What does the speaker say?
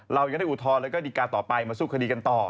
เรายังได้อุทธรณ์แล้วก็ดีการต่อไปมาสู้คดีกันต่อ